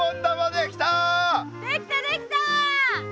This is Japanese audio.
できたできた！